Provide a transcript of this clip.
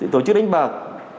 tổ chức đánh bạc